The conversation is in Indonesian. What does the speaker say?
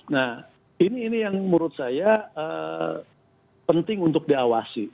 nah ini yang menurut saya penting untuk diawasi